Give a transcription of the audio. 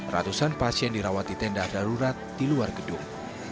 ratusan pasien dirawat di tenda darurat di luar gedung